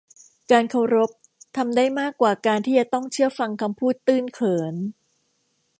การเคารพทำได้มากกว่าการที่จะต้องเชื่อฟังคำพูดตื้นเขิน